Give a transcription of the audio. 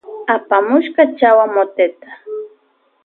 Apamushka chawa moteta.